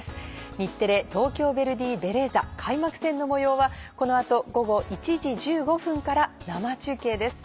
日テレ・東京ヴェルディベレーザ開幕戦の模様はこの後午後１時１５分から生中継です。